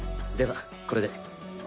ではこれで。